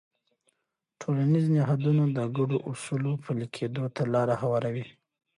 ټولنیز نهادونه د ګډو اصولو پلي کېدو ته لاره هواروي.